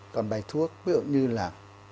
còn bài thuốc ví dụ như là